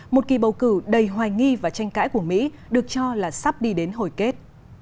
một kỳ bầu cử đầy hoài nghi và tranh cãi của mỹ được cho là sắp đi đến hồi kết